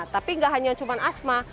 tapi nggak hanya cuma asma